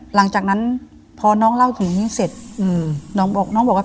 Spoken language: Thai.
หลังจากนั้นพอน้องเล่าจริงเสร็จน้องบอกว่า